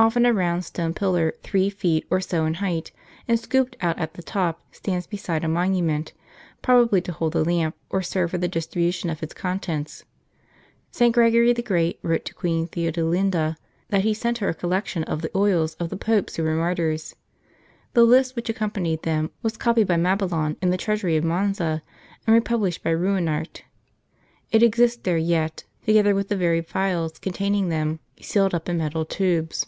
Often a round stone pillar, three feet or so in height, and scooped out at the top, stands beside a monument ; probably to hold the lamp, or serve for the distribution of its contents. St. Gregory the Great wrote to Queen Theodelinda, that he sent her a collection of the oils of the popes who were martyrs. The list which accompanied them was copied by Mabillon in the treasury of Monza, and republished by Ruinart,* It exists there yet, together with the very phials containing them, sealed up in metal tubes.